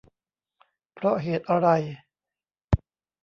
เพราะเหตุอะไร